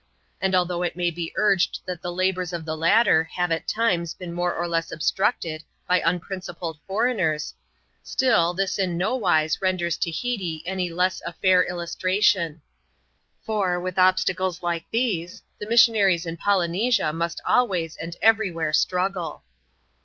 And although it may be urged that the labours of the latter have at times been more or less obstructed by un principled foreigners, still this in no wise renders Tahiti any the less a fair illustration ; for, with obstacles like these, the missionaries in Polynesia must always, and everywhere struggle.